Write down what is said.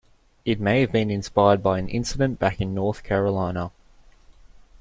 It may have been inspired by an incident back in North Carolina.